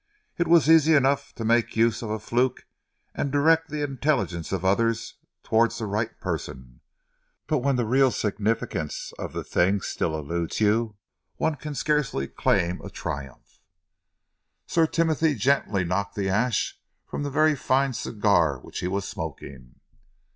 It was easy enough to make use of a fluke and direct the intelligence of others towards the right person, but when the real significance of the thing still eludes you, one can scarcely claim a triumph." Sir Timothy gently knocked the ash from the very fine cigar which he was smoking.